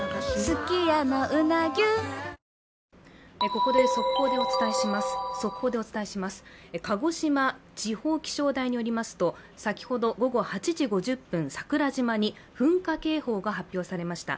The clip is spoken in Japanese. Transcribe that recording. ここで速報でお伝えします鹿児島地方気象台によりますと先ほど午後８時５０分桜島に噴火警報が発表されました